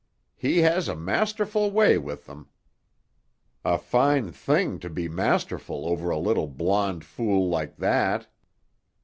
"He has a masterful way with them." "A fine thing to be masterful over a little blonde fool like that!"